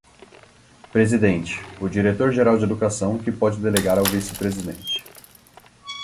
Presidente: o Diretor Geral de Educação, que pode delegar ao Vice-Presidente.